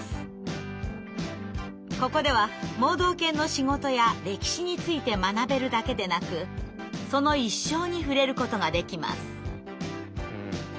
ここでは盲導犬の仕事や歴史について学べるだけでなくその一生に触れることができます。